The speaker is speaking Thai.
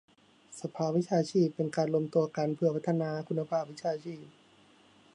สภาวิชาชีพเป็นการรวมตัวกันเพื่อพัฒนาคุณภาพวิชาชีพ